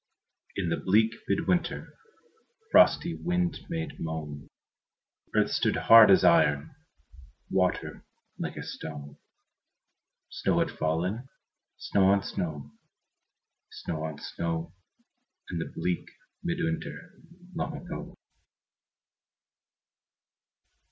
In the bleak mid winter Frosty wind made moan, Earth stood hard as iron, Water like a stone; Snow had fallen, snow on snow, Snow on snow, In the bleak mid winter Long ago.